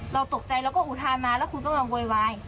เราตกใจแล้วก็อุทานมาแล้วคุณต้องมาโวยวาย